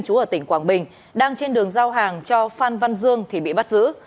chú ở tỉnh quảng bình đang trên đường giao hàng cho phan văn dương thì bị bắt giữ